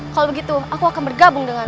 kalau begitu aku akan bergabung dengan